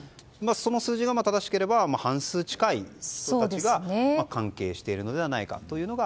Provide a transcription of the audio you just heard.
その数字が正しければ半数近い方たちが関係しているのではないかと。